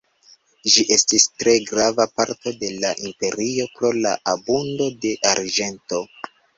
Ĝi estis tre grava parto de la imperio pro la abundo de arĝento.